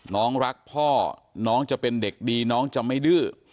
น้องรักพ่อน้องจะเป็นเด็กดีน้องจะไม่ดื้อ